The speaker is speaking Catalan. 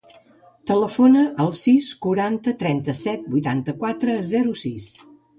Telefona al sis, quaranta, trenta-set, vuitanta-quatre, zero, sis.